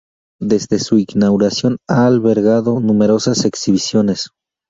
Desde su inauguración ha albergado numerosas exhibiciones.